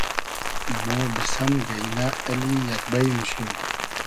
مۉ بیسئم گݷنۂ اللی یئگ بݷ موشی